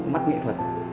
mắt nghệ thuật